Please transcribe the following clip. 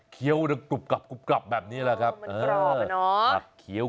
เคี้ยวดับกรุบกลับแบบนี้แหละครับมันกรอบอ่ะเนาะ